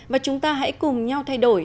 và chúng ta hãy cùng nhau thay đổi